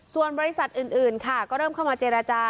ส่วนบริษัทอื่นค่ะก็เริ่มเข้ามาเจรจา